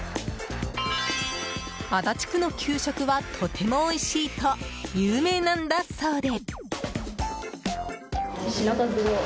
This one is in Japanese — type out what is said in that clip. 足立区の給食はとてもおいしいと有名なんだそうで。